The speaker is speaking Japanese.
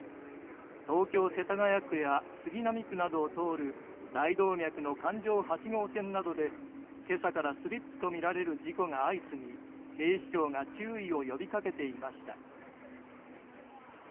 東京・世田谷区や杉並区などを通る大動脈の環状８号線などで今朝からスリップとみられる事故が相次ぎ、警視庁が注意を呼びかけていました。